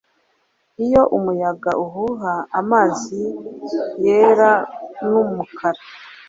Iyo umuyaga uhuha amazi yera numukara